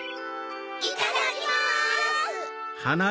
いただきます！